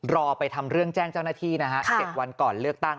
รอไปทำเรื่องแจ้งเจ้าหน้าที่นะฮะ๗วันก่อนเลือกตั้ง